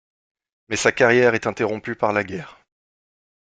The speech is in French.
Mais sa carrière est interrompue par la guerre.